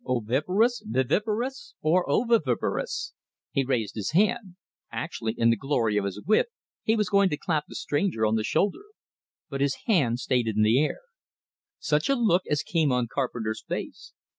"Oviparous, viviparous, or oviviparous?" He raised his hand; actually, in the glory of his wit, he was going to clap the stranger on the shoulder! But his hand stayed in the air. Such a look as came on Carpenter's face!